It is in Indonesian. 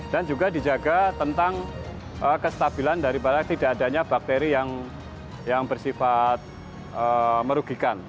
dan juga dijaga tentang kestabilan daripada tidak adanya bakteri yang bersifat merugikan